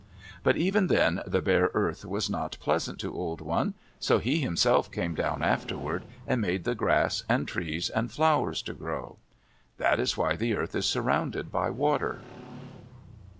But even then the bare earth was not pleasant to Old One, so he himself came down afterward and made the grass and trees and flowers to grow. That is why the earth is surrounded by water.